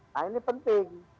nah ini penting